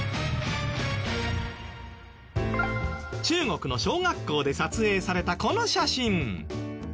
中国の小学校で撮影されたこの写真。